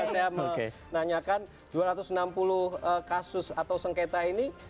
saya menanyakan dua ratus enam puluh kasus atau sengketa ini